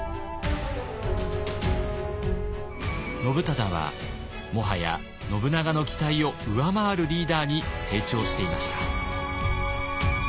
信忠はもはや信長の期待を上回るリーダーに成長していました。